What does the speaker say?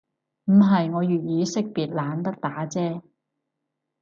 唔係，我粵語識別懶得打啫